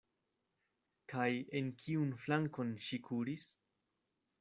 Kaj en kiun flankon ŝi kuris?